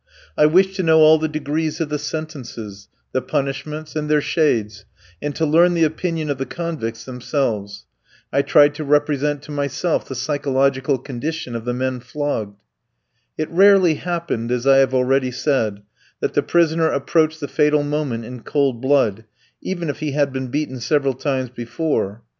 I wished to know all the degrees of the sentences; the punishments, and their shades; and to learn the opinion of the convicts themselves. I tried to represent to myself the psychological condition of the men flogged. It rarely happened, as I have already said, that the prisoner approached the fatal moment in cold blood, even if he had been beaten several times before.